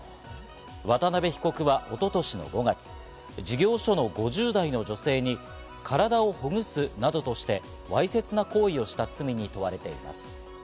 渡辺被告は一昨年の５月、事業所の５０代の女性に体をほぐすなどとして、わいせつな行為をした罪に問われています。